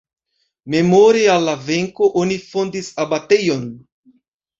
Memore al la venko oni fondis abatejon.